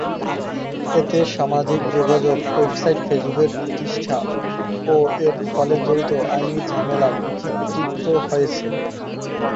এতে সামাজিক যোগাযোগ ওয়েবসাইট ফেসবুকের প্রতিষ্ঠা ও এর ফলে জড়িত আইনি ঝামেলা চিত্রিত হয়েছে।